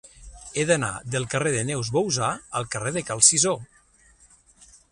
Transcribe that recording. He d'anar del carrer de Neus Bouzá al carrer de Cal Cisó.